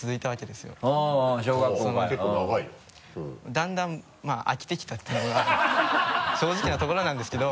だんだん飽きてきたっていうのが正直なところなんですけど。